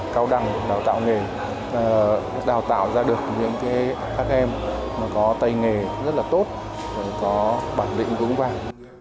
cao đẳng đào tạo nghề đào tạo ra được những các em có tay nghề rất là tốt có bản định vững vàng